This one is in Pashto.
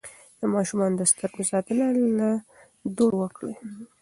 د ماشوم د سترګو ساتنه له دوړو وکړئ.